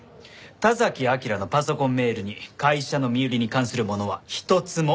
田崎明良のパソコンメールに会社の身売りに関するものは一つもありませんでした。